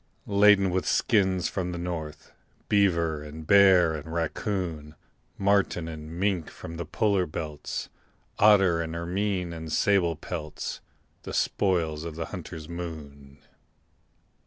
Laden with skins from the north, Beaver and bear and raccoon, Marten and mink from the polar belts, Otter and ermine and sable pelts The spoils of the hunter's moon.